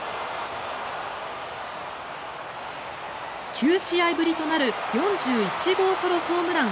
９試合ぶりとなる４１号ソロホームラン。